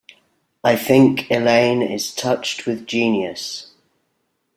I think Elaine is touched with genius.